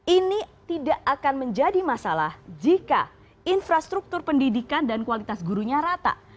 ini tidak akan menjadi masalah jika infrastruktur pendidikan dan kualitas gurunya rata